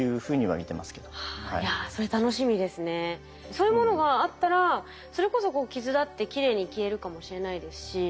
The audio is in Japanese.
そういうものがあったらそれこそこう傷だってきれいに消えるかもしれないですし。